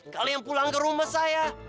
kalian pulang ke rumah saya